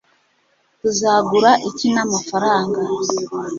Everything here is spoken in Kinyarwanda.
tuzagura iki n'amafaranga